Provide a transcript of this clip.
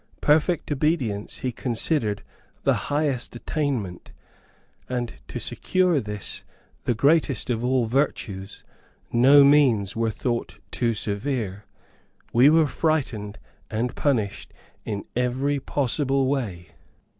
Perfect obedience he considered the highest attainment, and, to secure this, the greatest of all virtues, no means were thought too severe. We were frightened and punished in every possible way.